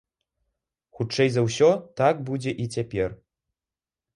Хутчэй за ўсё, так будзе і цяпер.